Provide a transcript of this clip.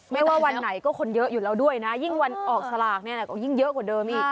ไม่ว่าวันไหนก็คนเยอะอยู่แล้วด้วยนะยิ่งวันออกสลากเนี่ยก็ยิ่งเยอะกว่าเดิมอีก